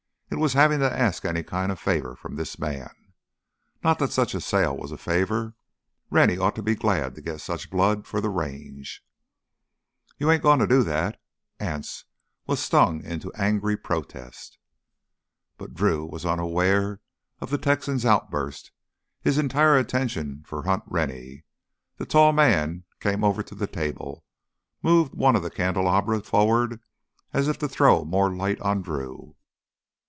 It was having to ask any kind of favor from this man. Not that such a sale was a favor; Rennie ought to be glad to get such blood for the Range. "You ain't goin' to do that!" Anse was stung into angry protest. But Drew was unaware of the Texan's outburst, his entire attention for Hunt Rennie. The tall man came over to the table, moved one of the candelabra forward as if to throw more light on Drew.